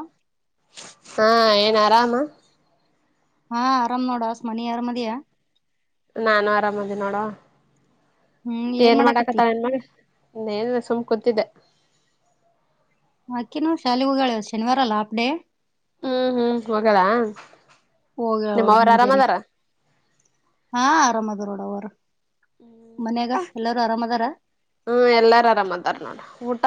ಹ ಹಾ ಏನ್ ಆರಾಮಾ ಹಾ ಆರಾಮ್ ನೋಡಸ್ ಮನಿ ಆರಾಮದಿಯಾ. ನಾನು ಆರಾಮದಿನಿ ನೋಡುವಾ ಹ್ಮ್ ಏನ್ ಮಾಡಾಕತಿ ಮಾಡಾಕತ್ತಾಳ ಹೇನ್ಮಾಗಳ. ಇನ್ನೇನು ಸುಮ್ಮ ಕೊತ್ತಿದ್ದೆ. ಅಕಿನು ಶಾಲಿಗೆ ಹೋಗ್ಯಾಳ ಶನಿವಾರ ಅಲ್ಲ ಹಾಫ ಡೇ. ಹು ಹು ಹೋಗ್ಯಾಳ. ಹೋಗ್ಯಾಳ ನೋಡ ಮುಂಜಾನೆ. ಹಾ ಆರಾಮ್ ಅದರ ನೋಡವ್ವಾ ಅವರು ಮನ್ಯಾಗ ಎಲ್ಲಾರೂ ಆರಾಮ್ ಅದಾರಾ. ಹು ಎಲ್ಲಾರ ಆರಾಮದಾರ ನೋಡ ಊಟ.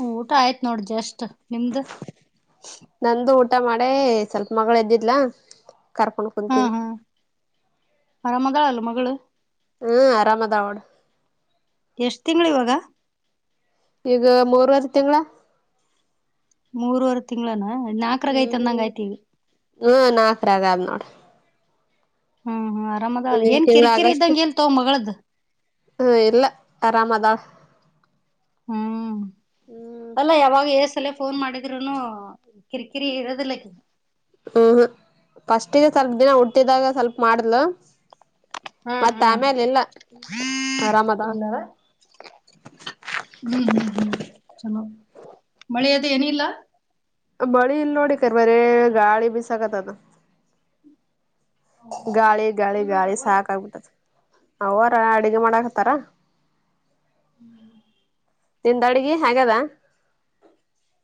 ಊಟ ಆಯ್ತ ನೋಡ ಜಸ್ಟ್ ನಿಮ್ದ. ನಂದು ಊಟ ಮಾಡೇ ಸ್ವಲ್ಪ ಮಗಳ ಎದ್ದಿದ್ಲ ಕರ್ಕೊಂಡ್ ಕುಂತೀನಿ. ಮರಾಮದಾಳ ಅಲ್ಲ ಮಗಳ. ಹು ಆರಾಮದಾಳವೋಡ್. ಎಷ್ಟು ತಿಂಗಳು ಇವಾಗಾ. ಈಗ ಮೂರ್ವರಿ ತಿಂಗಳ. ಮೂರವರೆ ತಿಂಗಳನ ನಾಕರಾಗ ಐತಂದಂಗ ಆಯ್ತಈಗ. ಹು ನಾಕರಾಗ ನೋಡ. ಹು ಹು ಆರಾಮದಾಳಲ್ಲ ಮುಂದಿನ ಏನ್ ತಿಂಗಳ ಕಿರಿಕಿರಿ ಇದ್ದಂಗ ಇಲ್ಲತೋ ಮಗಳದ. ಹು ಇಲ್ಲ ಆರಾಮದಾಳ. ಹು ಹ್ಮ್ ಅಲ್ಲ ಯಾವಾಗ ಏಸರೆ ಫೋನ್ ಮಾಡಿದ್ರುನು ಕಿರಿಕಿರಿ ಇರೋದಿಲ್ಲ ಅಕಿ. ಉ ಹು ಫಸ್ಟಿಗೆ ಸ್ವಲ್ಪ ದಿನ ಹುಟ್ಟಿದಾಗ ಸ್ವಲ್ಪ ಮಾಡ್ಲು. ಹು ಹು ಆರಾಮದಾಳ ಇಲ್ಲವಾ. ಹು ಹು ಹು ಚಲೋ ಮಳಿ ಅದು ಏನಿಲ್ಲಾ. ಮಳಿ ಇಲ್ಲ ನೋಡ ಈಕಡೆ ಬರೆ ಗಾಳಿ ಬಿಸಾಕತ್ದ. ಗಾಳಿ ಗಾಳಿ ಗಾಳಿ ಸಾಕಾಗಬಿಟ್ಟತಿ ಅವ್ವಾರ ಅಡಗೆ ಮಾಡಾಕತ್ತಾರ. ಹು ನಿಂದ ಅಡ್ಗೆ ಆಗೇದ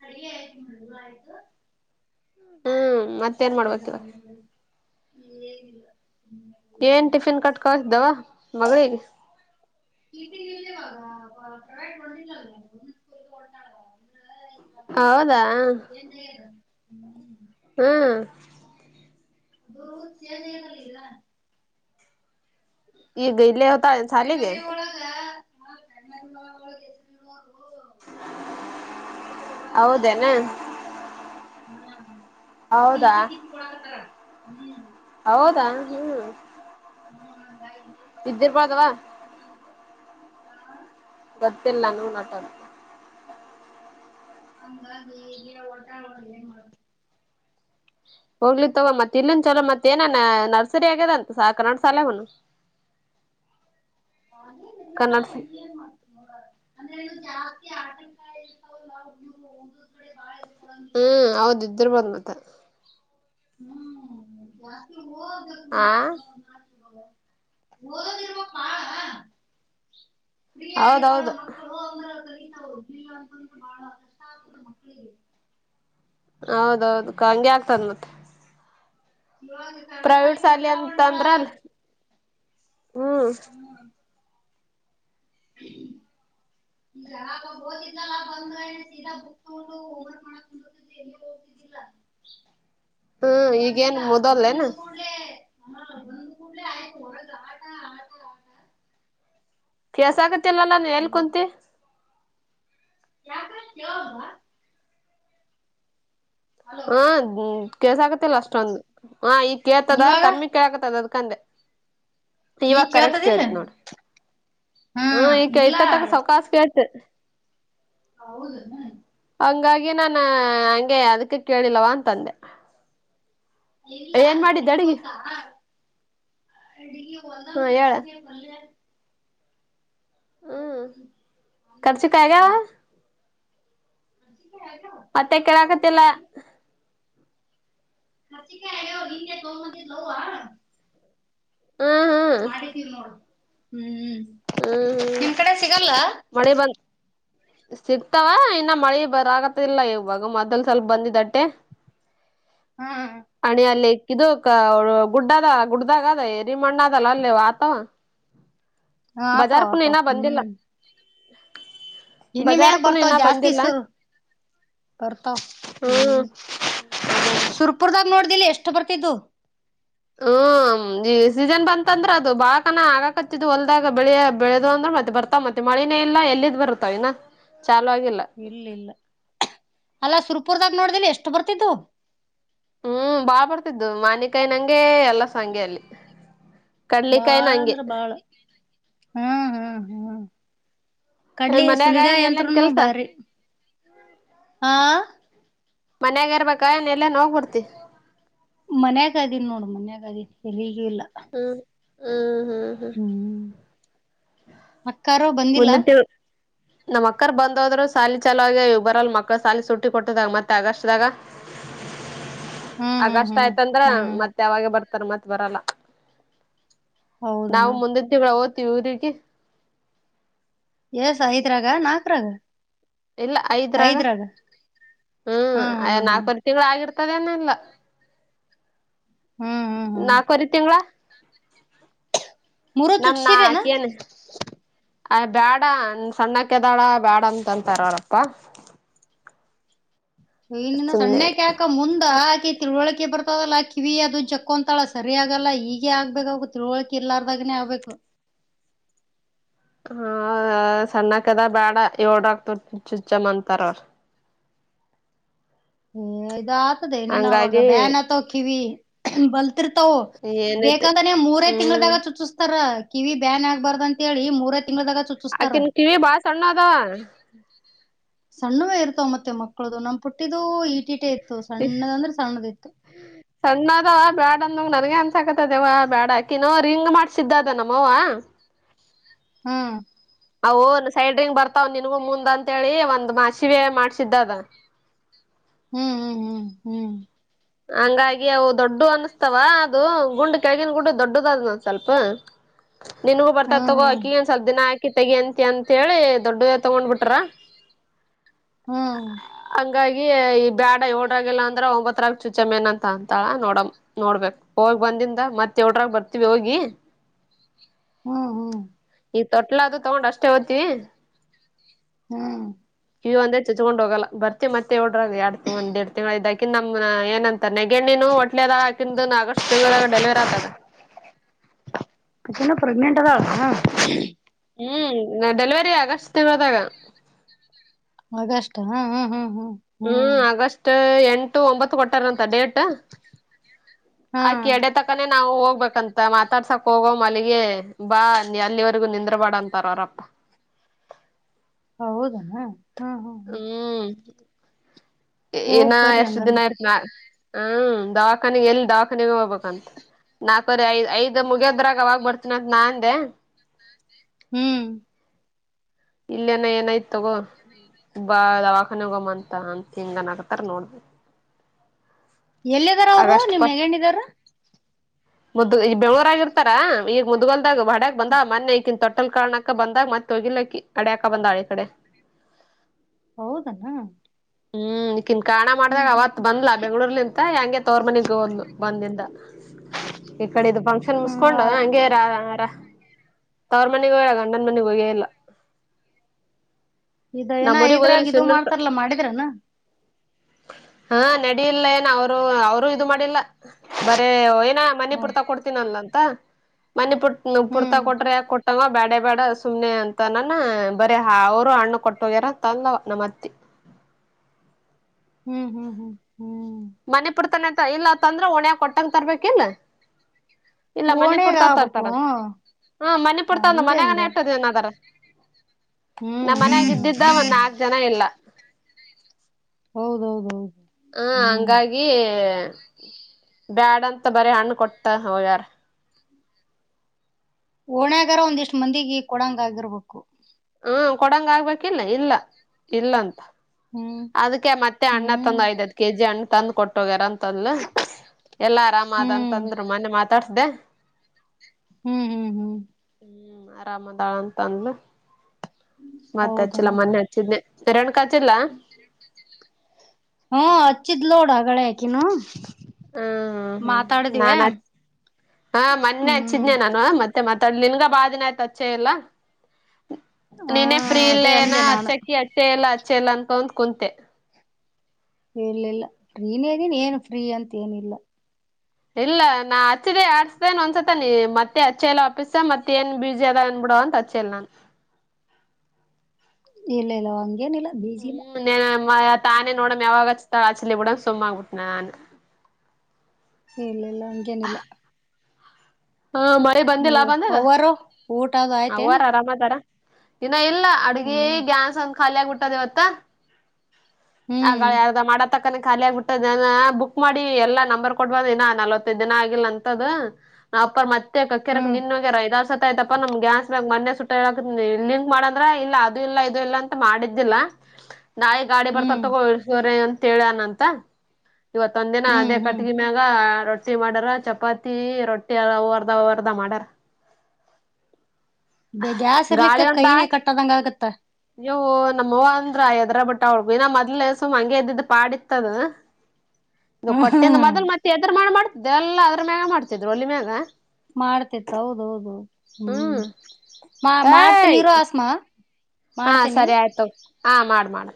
ಅಡಿಗಿ ಆಯ್ತು ನೋಡ ನೀವು ಆಯ್ತು. ಹು ಮತ್ತೇನ್ ಮಾಡ್ಬೇಕ ಇವ ಇನ್ನೇನಿಲ್ಲಾ ಏನಿಲ್ಲಾ. ಏನ್ ಟಿಫಿನ್ ಕಟ್ಟಿಕಳ್ದೋ ಮಗಳಿಗೆ. ಸಿಟಿಲಿ ಇಲ್ಲ ಇವಾಗ ಕರೆಂಟ್ ಹೊಡ್ದಿದ್ದಲ್ಲ ಹೊಂಟಾಳ ಹೌದಾ ಮತ್ತೇನ್ ಹು. ಹಾ ಅದು ಸೆರ್ ಏಳಲಿ ಗಿಡಾ. ಈಗ ಹೊತಾಳೆನ್ ಸಾಲಿಗೆ. [unintelligible] ಅಮ್ಮೋರು ಬೇರೆ ಕಡೆ ಹೋಗಂಗಿಲ್ಲ ಹೌದೇನ ಸಪರೇಟ್. ಹು ಟಿ ಹೌದಾ ಸಿ ಕಿತ್ ಕೊಡಾಕತ್ತಾರ ಹು. ಹೌದಾ ಹು ಹು ಹಂಗಾಗಿ ಮ್ ಇದ್ದಿರ್ಬೊದವಾ. ಏನಂಡ್ಲೊ ಆ. ಬರ್ತಿಲ್ಲಾ ನಂಗು ನಟ್ ಅದು. ಹಂಗಾಗಿ ಈಗಿರ ಹೊಂಟಾಳ ನೋಡ್ರಿ ಏನ್ ಮಾಡೋದ ಹೋಗ್ಲಿ ತಗೋ ಮತ್ ಇನ್ ಚಲೋ ಮತ್ತೆ ಏನನ್ನ ನರ್ಸರಿ ಆಗ್ಯದ ಅಂತ ಸಾ ಕನ್ನಡ ಸಾಲ್ಯಾಗುನು ಹಾಗ್ ಏನ್ ಇಲ್ಲಾ ಕನ್ನಡ ನಿನ್ ಮಾಡ್ ನೋಡ ಅಂದ್ರೆ ಇ ಜಾಸ್ತಿ ಆಟೆಕಾಯಿ ಇರ್ತಲ್ಲ ಒಂದೊಂದು ಕಡೆ ಬಾಳ ಹ್ಮ್ ಹೌದ ಇದರ ಬೋದ ಮತ್ತ ಹ್ಮ್ ಜಾಸ್ತಿ ಹೋದ ಆ ಓದಿರ್ಬೆಕ್ ಬಾಳ ಫ್ರೀ ಆಗಿ ಇರ್ಬಾರ್ದ ಹೌದೌದು ಮಕ್ಕಳ್ ಅ ಅಂದ್ರ ಕಾದಿಲ್ಲ ಅಂತಂದ್ರೆ ಬಹಳ ಕಷ್ಟ ಆಗದು ಮಕ್ಕಳಿಗೆ ಹೌದೌದು ಆವ್ಕ್ ಹಂಗೆ ಆಗ್ತದ ಮತ್ತೆ [inaudible] ಪ್ರೈವೇಟ್ ಸ್ಯಾಲರಿ ಅಂತ ಅಂದ್ರಲ್ ಹ್ಮ್ ಹ್ಮ ಈ ಹಓದಿದ್ದಲ್ಲ ಬಂದ ಸೀದಾ ಬುಕ್ ತೊಂಗೊಂಡು ಬುಕ್ ಹೋಮವರ್ಕ್ ಮಾಡಕ ಕುಂದಾರ್ತಿದ್ಲಾ [unintelligible] ಈಗ ಇಲ್ಲಾ ಹ್ಮ ಈಗೇನ್ ಓಧಲೇನು. ಕ ಬಂದ್ ಕೂಡ್ಲೇ ಆಯ್ತು ಹೊರಗ ಆಟ ಆಟ ಕೇಸ ಆಗತ್ತಲ್ಲಲ್ಲಾ ನಿ ಎಲ್ಲಿ ಕುಂತಿ ಯಾಕ್ರೀ ಕೆಳವಲ್ದಾ ಹ ಕೇಳಸ ಆಕತಿಲ್ಲ ಅಷ್ಟೊಂದು ಹ ಈ ಕೇಳತದ ಕಮ್ಮಿ ಕೇಳಕತ್ದ ಅದ್ಕಂದೆ ಈಗ ಇವಾಗ ಕರೆಕ್ಟ್ ಕೇಳ್ತದಿಲ್ಲ ಕೇಳತ್ ನೋಡ ಹ್ಮ ಹ್ಮ್ ಈ ಇಟ್ಟ ತಕ ಸವಕಾಸ ಕೇಳ್ತ ಹೌದನ ಹಂಗಾಗಿ ನಾನ ಹಂಗೆ ಅದಕ್ಕೆ ಕೇಳಿಲ್ಲವ ಅಂತಂದೆ ಇಲ್ಲ ಏನ್ ಈಗ ಮಾಡಿದ್ದ ಹೆಂಗ ಅಡ್ಗಿ ಗೊತ್ತಾ ಅಡುಗ ಹಾ ಒಂದೊಂದು ಹೇಳ ರಚಿಕೆ ಪಲ್ಲೆ ಹ್ಮ್ ರೊಟ್ಟಿ ಅನ್ನ ಕರ್ಚಿಕಾಯ ಆಗ್ಯಾವ ಸಾಂಬಾರ್ ಖರ್ಚಿಕಾಯ ಆಗ್ಯಾವ ಮತ್ತೆ ಕೆಳಾಕತಿಲ್ಲ. ಕರ್ಚಿಕಾಯಿ ಆಗ್ಯಾವ ನಿನ್ನೆ ತಗೊಂಡ ಬಂದಿದ್ಲು ಅವ್ವ ಹ್ಮ್ ಹ್ಮ್. ನೋಡ್ ಹ್ಮ್ ಹ್ಮ್ ಹ್ಮ್ ಮಳೆ ಬಂದ ಸಿಗ್ತಾವ ಇನ್ನ ಮಳೆ ಬರ ಆಗತ್ತ ಇಲ್ಲ ಇವಾಗ ಮೊದಲ್ ಸ್ವಲ್ಪ ಬಂದಿದ್ದಟ್ಟೆ ಹಾ. ಅಣಿ ಅಲ್ಲಿ ಕ ಗುಡ್ಡ ಅದ ಗುಡ್ದಾಗ ಅದ ಎರಿಮಣ್ಣ ಅದಲ್ಲ ಅಲ್ಲಿ ಆತವ ಹಾ ಆತವ ಬಜಾರ್ಕುನು ಆತಾವ ಇನ್ನ ಬಂದಿಲ್ಲ ಹ್ಮ್. ಇನ್ನಿ ಮ್ಯಾಗ ಬಜಾರ್ಕುನು ಬರ್ತಾವ ಇನ್ನ ಬಂದಿಲ್ಲ ಜಾಸ್ತಿಸರು ಬರ್ತವ ಹ್ಮ್ ಅದಂದ ಸುರ್ಪುರ್ದಾಗ ನೋಡ್ದಿಲ್ಲ ಎಷ್ಟು ಬರ್ತಿದ್ದು. ಹ. ಹ್ಮ ಈ ಸೀಸನ್ ಬಂತ ಅಂದ್ರೆ ಅದು ಬಾಳ ಕನ ಆಗ ಕಚ್ಚಿದ ಹೊಲ್ದಾಗ ಬೆಳೆಯ ಬೆಳೆದು ಅಂದ್ರ ಮತ್ತ್ ಬರ್ ತಾವ ಮತ್ತೆ ಮಳಿನೇ ಇಲ್ಲ ಎಲ್ಲಿದ್ ಬರುತ್ತಾವ ಇನ್ನ ಚಾಲ ಆಗಲ್ಲ ಇಲ್ಲ ಇಲ್ಲ ಅಲ್ಲ ಸುರ್ಪುರ್ದಾಗ ನೋಡ್ದಿಲ್ಲ ಎಷ್ಟು ಬರ್ತತ್ತು ಹ್ಮ್ ಬಾಳ್ ಬರ್ತಿದ್ದು ಮಾನಿಕಾಯಿ ನಂಗೆ ಎಲ್ಲ ಹಂಗೆ ಅಲ್ಲಿ ಕಡ್ಲಕಾಯಿನು ಹಂಗೆ ಅಲ್ಲಿ ಹ್ಮ ಹಾ ಹಾ. ಕಡ್ಲಿ ಏನ್ ಮನ್ಯಾಗ ಸುಲಿಗ ಏನ್ ಎಲ್ಲೇನ್ ಯಂತ್ರನು ಕೆಲ್ಸ ಬಾರಿ ಆ. ಮನ್ಯಾಗ ಇರ್ಬೇಕಾ ಎನ್ ಎಲ್ಲನ ಹೋಗ್ಬರ್ತಿ. ಮನ್ಯಾಗ ಆದೀ ನೋಡು ಮನ್ಯಾಗ ಆದೀ ಎಲ್ಲಿಗೂ ಇಲ್ಲ. ಹ್ಮ್ ಹ್ಮ್ ಹ್ಮ್ ಹ್ಮ್ ಹ್ಮ ಅಕ್ಕರು ಬಂದ್. ಬಂದಿತ್ತು. ನಮ್ಮ್ ಅಕ್ಕರ್ ಬಂದೋದ್ರು ಸಾಲಿ ಚಲೋ ಆಗಿ ಬರಲ್ ಮಕ್ಳು ಸಾಲಿ ಸುಂಟಿ ಕೊಟಿದಾಗ್ ಮತ್ತೆ ಆಗಸ್ಟ್ ದಾಗ. [inaudible] ಆಗಷ್ಟ ಹ್ಮ್ ಆಯ್ತಂದ್ರ ಹ್ಮ್ ಮತ್ ಯಾವಾಗೆ ಬರ್ತಾರ್ ಮತ್ ಬರಲ್ಲ. ಹೌದನ ನಾವ್ ಮುಂದಿನ್ ತಿಂಗ್ಳ ಒತಿವ್ ಊರಿಗೆ. ಏಸ ಐದ್ರಾಗ ನಾಕ್ರಾಗ. ಇಲ್ಲ ಐದ್ರಾಗ ಹ್ಮ್ ಹ್ಮ ಯ ಹ್ಮ್ ಹ್ಮ್ ನಾಲ್ಕವರ್ ತಿಂಗ್ಳು ಆಗಿರ್ತದೆನು ಇಲ್ಲ. ಹ್ಮ್ ಹ್ಮ್ ಹ್ಮ್ ನಾಕು ವರಿ ತಿಂಗ್ಳ. ಮೂರು ನನ್ನ ಚುಟ್ಸಿರೇನ ಕೆಣಿ. ಅದ್ ಬ್ಯಾಡ ಸಣ್ಣಕೆದಾಳಾ ಬ್ಯಾಡ ಅಂತಂತಾರ್ ಅವ್ರ್ ಅಪ್ಪ. ನೀ ನಿನು ಸುಮ್ನೆ ಸಣ್ಣಕ್. ಕ ಮುಂದ ಅಕಿಗ್ ತಿಳುವಳಿಕೆ ಬರ್ತದಲ್ಲ ಕಿವಿ ಅದು ಚಕ್ಕೊಂತಳ ಸರಿ ಅಗಲ್ಲ ಹೀಗೆ ಆಗ್ಬೇಕಾಗುತ್ತೆ. ತಿಳುವಳಿಕಿಲಾರ್ದಗನೇ ಒಬೇಕು. ಹ ಸಣ್ಣಕದಳ್ ಬೇಡ ಯೋಳ್ದಗ್ ಚುಚ್ಚನ ಅಂತದರ್ ಅವ್ರು. ಏ ಇದ್ ಆತದೆೇ ನೀನ್ ಅವಾಗ ಹಂಗಾಗಿ ಬ್ಯಾನತವ್ ಕಿವಿ ಬಲ್. ತಿರ್ತಾವ ಏನೈತಿ ಬೇಕಾಂತನೆ ಮೂರೇ ಹ್ಮ್ ತಿಂಗ್ಳುದಾಗ ಚುಚುಸ್ತರ. ಕಿವಿ ಬ್ಯಾನ್ ಆಗ್ಬಾರ್ದಂತೇಳಿ ಮೂರ ತಿಂಗ್ಳುದಾಗ ಚ್ಚು. ಆಕಿನ್ ಕಿವಿ ಬಾಳ ಸಣ್ಣ ಅದವ. ಸಣ್ಣವೇ ಇರ್ತವ್ ಮತ್ತೆ ಮಕ್ಳುದು ನಮ್ ಪುಟ್ಟಿದು ಇಟಿಟೇ ಇತ್ತು ಸಣ್ಣುದಂದ್ರೆ ಸಣ್ಣುದಿತ್ತು. [inaudible] ಸಣ್ಣದ ಬ್ಯಾಡ ಅಂದಂಗ್ ನನ್ಗೆ ಅನ್ಸಾಕತ್ತದವ ಬ್ಯಾಡ ಅಕಿನೋ ರಿಂಗ್ ಮಾಡ್ಸಿದ್ದದ ನಮ್ಮವ. ಹ್ಮ್. ಅವು ಸೈಡ್ರಿಂಗ್ ಬರ್ತಾವ್ ನಿನ್ಗೂ ಮುಂದ್ ಅಂತೇಳಿ ಒಂದ್ ಮಸಿವೆ ಮಾಡ್ಸಿದ್ದದ. ಹ್ಮ್ ಹ್ಮ್ ಹ್ಮ್ ಹ್ಮ್. ಹಂಗಾಗಿ ಅವು ದೊಡ್ದುವ್ ಅನುಸ್ತಾವ ಅದು ಗುಂಡ್ ಕೆಳಗಿನ್ ಗುಂಡ್ ದೊಡ್ದುದಾದು ಸ್ವಲ್ಪ್. [inaudible] ನಿನಗೂ ಬರ್ತವ್ ಹ್ಮ್ ತಗೋ ಹ್ಮ್ ಅಕಿಗೂ ಒನ್ ಸ್ವಲ್ಪ ದಿನ ಆಕಿ ತೆಗಿ ಅಂತಿ ಅಂತ್ ಹೇಳಿ ದೊಡ್ದುವೆ ತಗೊಂಡ್ಬಿಟ್ರ. ಹ್ಮ. ಅಂಗಾಗಿ ಈ ಬ್ಯಾಡ ಏಲ್ಡ್ರಗಿಲ್ಲ ಅಂದ್ರ ಒಂಬತ್ರಾಗ್. ಚುಚಮೇನ್ ಅಂತ ಅಂತಾ ನೋಡಮ್ ನೋಡ್ಬೇಕ್ ಹೋಗ್ ಬಂದಿಂದ ಮತ್ ಯೋಳ್ರಗ್ ಬರ್ತಿವಿ ಹೋಗಿ. ಹ್ಮ ಹ್ಮ. ಇಗ್ ತೊಟ್ಲದು ತಗೊಂಡ್ ಅಷ್ಟೇ ಒತೀವಿ. ಹ್ಮ್. ಕ್ಯೂ ಒಂದೆ ಚಚ್ಕೊಂಡ್ ಹೋಗಲ್ಲ ಬರ್ತಿವ್ ಮತ್ತೆ ಯೋಳ್ರಗ ಎರಡ್ ತಗೊಂದ್ ಒಂದ್ ಎರಡ್ ತಿಂಗ್ಳ ಇದಾಗ್ ನಮ್ನ ಎನ್. ತನೆಗೆ ನೀನು ಒಟ್ನಗ ಹಾಕಿಂದು ಆಗಸ್ಟ್ ತಿಂಗ್ಳ ದಾಗ ಡೆಲಿವರಿ ಆತದ. ಅಕಿನೂ ಪ್ರೆಗ್ನೆಂಟ್ ಅದಳೇನು. ಹ್ಮ್ ಡೆಲಿವರಿ ಆಗಷ್ಟ ತಿಂಗ್ಳ ದಾಗ. ಆಗಸ್ಟ ಹ್ಮ್ ಹ್ಮ್ ಹ್ಮ್. ಹ್ಮ್ ಆಗಸ್ಟ್ ಎಂಟು ಒಂಬತ್ತು ಕೊಟ್ಟಾರಂತ ಡೇಟ. ಹಾ ಅಕಿ ಎಲ್ಡೆ ತಕ್. ಅಕ್ಕಾನೇ ನಾವು ಹೋಗ್ಬೇಕಂತ ಮಾತಾಡ್ಸಕ್ ಹೋಗೋ ಮಲ್ಲಿಗೆ ಬಾ ಅಲ್ಲಿವರೆಗೂ ನಿಂದ್ರ ಬಾ ಅಂತಾರ ಅವರಪ್ಪ ಹೌದಾ ಹಾ ಹಾ ಹಾ ಹ್ಮ್ ಏನ ಹೋಗ್ ಬರ್ರಿ ಎಷ್ಟ್ ದಿನ ಹಂಗಂದ್ರ ಇತ್ನಾ ಹ್ಮ್ ದಾವಾಖಾನೆ ಎಲ್ಲಿ ದಾವಾಖಾನೆಗೆ ಹೋಗ್ಬೇಕಂತ. ನಾಲ್ಕವರೆ ಐ ಐದು ಮುಗದ್ರಾಗ ಅವಾಗ್ ಬರ್ತೀನಂತ ನಾ ಅಂದೆ ಹ್ಮ್ ಇಲ್ಲೇನ ಏನಾಯ್ತ್ ತಗೋ ಬಾ ದವಾಖಾನೆಗಮ್ಮ ಅಂತ ಅಂತ ಹಿಂಗನ್ಕತಾರ ನೋಡ್ಬೇಕು. ಎಲ್ಲಿದರ ಆಗಸ್ಟ್ ಫಸ್ಟ್ ಗಂಡಿದಾರರು [unintelligible] ಮುದ್ ಈಗ ಬೆಂಗಳೂರ ಆಗಿರ್ತಾರ ಈಗ ಮುದ್ಗಲ್ದಾಗ ಹೊಡಾಗ ಬಂದ ಮೊನ್ನೆ ಈಕಿ ತೊಟ್ಟಲ್ ಕಾರ್ಣ ಬಂದಾಗ ಮತ್ತೆ ಹೋಗಿಲಾಕಿ ಅಡ್ಯಾಕ ಬಂದಾಳ ಈ ಕಡೆ ಹೌದಾ ಹ್ಮ್ ಇಕಾನ್ ಕಾಣ ಮಾಡ್ದಾಗ ಹ್ಮ್ ಅವತ್ ಬಂದ್ಲಾ ಬೆಂಗಳೂರ್ಲಿಂತ ಹೆಂಗೆ ತೋರ್ ಮನಿಗ್ ಹೋದ್ಲು ಬಂದಿಂದ. ಈ ಕಡೆದು ಫಂಕ್ಷನ್ ಮುಸ್ಕೊಂಡು ಹ್ಮ್ ಹಂಗೆ [unintelligible] ತವರು ಮನಗ್ ಹೋಗಿ ಗಂಡನ್ ಮನೆಗ್ ಹೋಗೆ ಇಲ್ಲ. ಇದ ಏನ್ ನಮ್ಮೂರಿಗ್ ಇದ್ರಾಗ ಇದು ಹೋಗಿಲ್ಲ ಮಾಡ್ತಾರಲ್ಲಾ ಮಾಡಿದ್ರಾನೋ ಹಾ ನಡಿಲ್ಲ ಏನೊ ಅವರು ಅವರು ಇದು ಮಾಡಿಲ್ಲ ಬರೇ ಏನೋ ಹ್ಮ್ ಡ್ತಾ ಕೊಡ್ತೀನಲ್ಲ ಅಂತ ಮನಿ ಹ್ಮ್ ಪುಡ್ತಾ ಕೊರ್ ಕೊ [unintelligible] ತಗೋ ಬ್ಯಾಡ ಬೇಡ ಸುಮ್ನೆ ಅಂತನಾನ ಬರೇ ಅವರು ಹಣ್ಣು ಕೊಟ್ಟೋಗ್ಯಾರ ತಂದವ ನಮ್ಮ ಅತ್ತಿ ಹ್ಮ್ ಹ್ಮ್ ಹ್ಮ್ ಹ್ಮ್ ಮನೆಪುರ್ ತಾನೆ ಅಂತ ಇಲ್ಲ ತಂದ್ರೆ ಒಣಾಗ ಕೊಟ್ಟಂಗ ತರ್ಬೇಕಿನ್. ಇಲ್ಲ ಮನೆ ಓಣ್ಯಾಗ ಪುಡ್ತಾ ಆಗ್ಬೇಕು ತರ್ತಾರಂತ ಹಂಗ ಹಾ ಮನೆ ಪಡ್ತಂದ ಹಂಗ ಮನ್ಯಾಗನೆ ಇಟ್ಟದನ್ದಾರ. ಹ್ಮ್ ನಮ್ಮ್ ಮನ್ಯಾಗ ಹ್ಮ್ ಇದ್ದಿದ್ದ ಒಂದ್ ನಾಕ್ ಜನ ಇಲ್ಲ. ಹೌದೌದೌದು ಹ ಹ್ಮ್ ಹಂಗಾಗಿ ಬ್ಯಾಡ ಅಂತ ಬರೀ ಹಣ್ಣು ಕೊಟ್ಟ ಹೋಗ್ಯಾರ. ಓಣ್ಯಾಗಾರ ಒಂದಿಷ್ಟ್ ಮಂದಿಗೆ ಕೊಡಂಗ ಆಗಿರ್ಬೇಕು. ಹ್ಮ ಕೊಡಂಗ ಆಗ್ಬೇಕಿಲ್ಲ ಇಲ್ಲ ಇಲ್ಲ ಅಂತ. ಹ್ಮ್ ಅದಕೆ ಮತ್ತೆ ಅಣ್ಣ ಹ್ಮ್ ತಂದ್ ಐದ್ದೇದು ಕೆಜಿ ಹಣ್ಣು ತಂದು ಕೊಟ್ಟೋಗ್ಯಾರ ಅಂತ ಅಂದ್ಲೂ ಎಲ್ಲಾ ಆರಾಮ ಅದ ಹ್ಮ್ ಅಂತಂದ್ರು ಮೊನೆ ಮಾತಾಡ್ಸ್ದೇ ಹ್ಮ್ ಹ್ಮ್ ಹ್ಮ್ ಹ್ಮ್ ಆರಾಮದಾಳ್ ಅಂತ ಅಂದ್ಲೂ ಮತ್ತ್ ಹೌದನ ಹಚ್ಚಿಲ್ಲ ಮೊನ್ನೆ ಹಚ್ಚಿದ್ನೀ ರೇಣುಕಾ ಹಚ್ಚಿದ್ಲಾ ರೇಣುಕಾ ಹಚ್ಚಿದ್ಲಾ ಹ್ಮ್ ಹಚ್ಚಿದ್ ನೋಡ್ ಆಗಲೇ ಆಕಿನೂ ಹ್ಮ್ ಹ್ಮ್ ಹ್ಮ್ ನಾನ್ ಹ ಮೊನ್ನೆ ಹ್ಮ್ ಹಚ್ಚಿದನೆ ನಾನು ಮತ್ತ್ ಮತ್ತೆ ಮತ್ತ ಅ ನಿನ್ಗ ಬಾದಿನ ಆಯತ್ ಹಚ್ಚೆ ಇಲ್ಲ ಹ ನೀನೇ ಫ್ರೀ ಇಲ್ಲ ಅದೇ ಏನೋ ಅಂದೆ ನಾನು ಅಚ್ಚಕ್ಕಿ ಅಚ್ಚೆ ಇಲ್ಲ ಅಚ್ಚೆ ಇಲ್ಲ ಅನ್ಕಂದ್ ಕುಂತೆ. ಇಲ್ಲ ಇಲ್ಲ ಫ್ರೀ ನೇ ಇದ್ದೀನಿ ಏನ್ ಫ್ರೀ ಅಂತ ಏನಿಲ್ಲ. ಇಲ್ಲ ನಾ ಹಚ್ಚದೆೇ ಆಡ್ಸ್ದೇನ್ ಒಂದ್ಸತ್ತ ನೀ ಮತ್ತೆ ಅಚ್ಚ ಎಲ್ಲಾ ಅಪೀಸ್ಸ ಮತ್ತೇ ಏನ್ ಬೀಜಿ ಅದ ಅನ್ ಬಿಡೋ ಅಂತ್ ಚೆಲ್ಲ್ ನಾನ್ ಇಲ್ಲ ಇಲ್ಲ ಹಂಗೇನಿಲ್ಲ. ಬೀಜಿ ಇಲ್ಲ ಹ್ಮ್ ನ ತಾನೇ ನೋಡ ಯಾವಾಗ ಆಚಲಿ ಬೂಡು ಸುಮ್ಮ ಆಗ್ಬಿಟ್ಟ ನಾನು ಇಲ್ಲ ಇಲ್ಲ ಹಂಗೇನಿಲ್ಲ. ಹಾ ಮ ಹ ಅವ್ವರು ಊಟದ ಅವ್ವರ ಆರಾಮ ಅದಾರ ಇನ್ನ ಇಲ್ಲ ಅಡ್ಗೆ ಹ್ಮ್ ಗ್ಯಾಸ್ ಒಂದ ಖಾಲಿ ಆಗಬಿಟ್ಟದ ಇವತ್ ತ್ತ್ ಹ್ಮ್ ಆಗಳೇ ಅರ್ಧ ಮಾಡ ತಕ್ಕನ ಖಾಲಿ ಆಗ್ಬಿಟ್ಟದ ಬುಕ್ ಮಾಡಿ ಎಲ್ಲಾ ನಂಬರ್ ಕೊಡ್ಬಂದ ಇನ್ನ ನಲವತ್ತೈದು ದಿನ ಆಗಿಲ್ಲ ಅಂತದ. ನಾ ಅಪ್ಪರ ಮತ್ತೆ ಕಕೆರಕ್ ಹ್ಮ್ ನಿನ್ ಹೋಗ್ಯಾರ ಐದ್ ಸತ ಆಯ್ತಪ್ಪ ನಮಗೆ ಗ್ಯಾಸ್ ಬ್ಯಾಂಕ್ ಮೊನ್ನೇ ಸುಟ್ಟಕ ಲಿಂಕ್ ಮಾಡಂದ್ರ ಇಲ್ಲ ಅದು ಇಲ್ಲ ಇದು ಇಲ್ಲ ಅಂತ ಮಾಡಿದ್ದಿಲ್ಲ ನಾಳೆ ಗಾಡಿ ಬರ್ತ ಹ್ಮ್ ತಗೊಳ್ಸ್ರೆ ಅಂತ ಹೇಳನಂತ ಇವತ್ತ ಒಂದಿನ ಹ್ಮ್ ಅದೇ ಹ್ಮ್ ಕಟ್ಟ ಮ್ಯಾಗ ರೊಟ್ಟಿ ಮಾಡ್ಯಾರ ಚಪಾತಿ ರೊಟ್ಟಿ ಅವ್ ಅರ್ಧ ಅವ್ ಅರ್ಧ ಮಾಡ್ಯಾರ. ಬ ಗ್ಯಾಸ್ ಇರ್ಲಿಕ್ಕ ಕೈನೇ ಕಟ್ಟದಂಗ ಆಗತ್ತ ಯವ್ವೋ ನಮ್ಮ್ವ ಅಂದ್ರ ಎದ್ರಾ ಬಿಟ್ಟ ಒಳಗು ಇನ್ನ ಮೊದ್ಲ ಸುಮ್ಮ ಹಂಗೆ ಇದದ್ದಿದ್ದ್ ಪಾಡಿತ್ತದ ಹ್ಮ ಇದು ಕೊಟ್ಟಿಂದ ಮೊದಲ್ ಮತ್ತೆ ಎದ್ರ ಮಾಡ ಮಾಡ್ತಿದ್ದೆ ಎಲ್ಲಾ ಅದ್ರ ಮ್ಯಾಗ ಮಾಡ್ತಿದ್ರು ಒಲಿ ಮ್ಯಾಗ. ಮಾಡ್ತಿತ್ತ ಹೌದ ಹೌದು ಹ್ಮ್ ಏಯ್ ಮಾಡ್ತನೀರು ಆಸ್ಮಾ. ಹಾ ಮಾಡ್ತೇನಿ ಸರಿ ಆಯ್ತು ತೊಗೊ ಹಾ ಮಾಡ್ ಮಾಡ